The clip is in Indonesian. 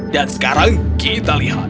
dan sekarang kita lihat